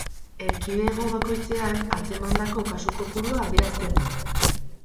Erkidego bakoitzean atzemandako kasu kopurua adierazten du.